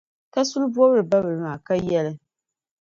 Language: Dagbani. Kasuli bɔbili babila maa, ka yɛli,